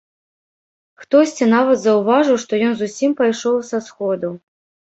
Хтосьці нават заўважыў, што ён зусім пайшоў са сходу.